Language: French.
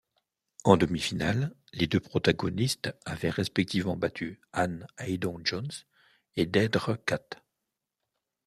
En demi-finale, les deux protagonistes avaient respectivement battu Ann Haydon-Jones et Deidre Catt.